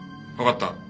わかった。